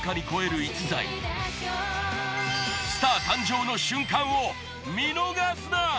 スター誕生の瞬間を見逃すな！